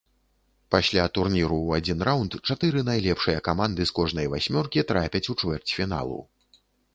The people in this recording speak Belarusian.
Пасля турніру ў адзін раунд чатыры найлепшыя каманды з кожнай васьмёркі трапяць у чвэрцьфіналу.